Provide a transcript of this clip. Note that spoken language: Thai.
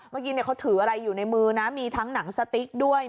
เมื่อกี้เขาถืออะไรอยู่ในมือนะมีทั้งหนังสติ๊กด้วย